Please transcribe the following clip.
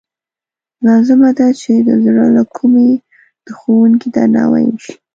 لازمه ده چې د زړه له کومې د ښوونکي درناوی وشي.